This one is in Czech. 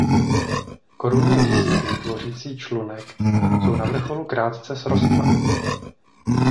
Korunní lístky tvořící člunek jsou na vrcholu krátce srostlé.